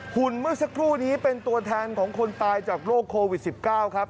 เมื่อสักครู่นี้เป็นตัวแทนของคนตายจากโรคโควิด๑๙ครับ